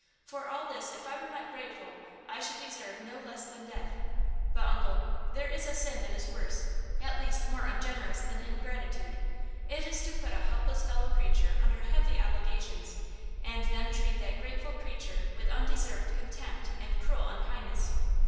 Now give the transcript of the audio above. For all this if I were not grateful I should deserve no less than death. But, uncle, there is a sin that is worse, at least, more ungenerous, than ingratitude; it is to put a helpless fellow creature under heavy obligations and then treat that grateful creature with undeserved contempt and cruel unkindness."